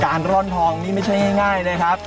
ร่อนทองนี่ไม่ใช่ง่ายนะครับ